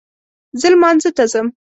زه لمانځه ته ځم